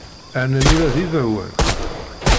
Rnan ula d ibawen.